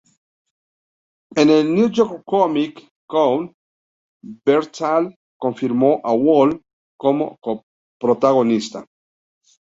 En el New York Comic Con, Bernthal confirmó a Woll como coprotagonista.